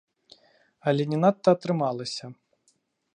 Але не надта атрымалася.